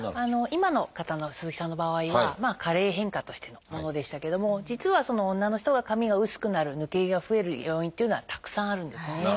今の方の鈴木さんの場合は加齢変化としてのものでしたけども実は女の人が髪が薄くなる抜け毛が増える要因っていうのはたくさんあるんですね。